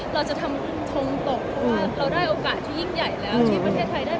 เพราะเราได้โอกาสที่ยิ่งใหญ่แล้ว